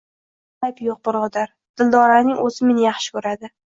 Lekin menda ayb yoʻq, birodar. Dildoraning oʻzi meni yaxshi koʻradi…